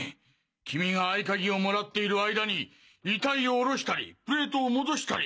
君が合鍵をもらっているあいだに遺体をおろしたりプレートを戻したり。